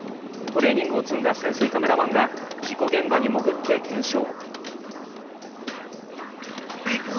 トレーニングを積んだ潜水カメラマンが事故現場に潜って検証。